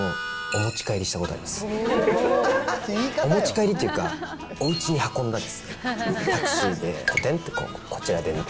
お持ち帰りっていうか、お家に運んだですね。